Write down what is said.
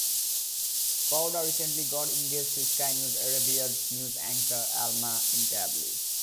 Fouda recently got engaged to Sky News Arabia's news anchor Alma Intabli.